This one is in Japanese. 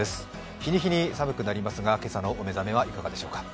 日に日に寒くなりますが、今朝のお目覚めはいかがでしょうか。